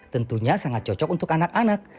tentunya sangat cocok untuk anak anak